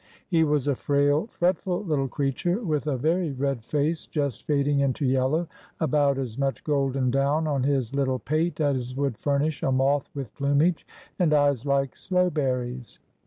He was a frail, fretful little creature, with a very red face just fading into yellow, about as much golden down on his little pate as would furnish a moth with plumage, and eyes like sloe berries.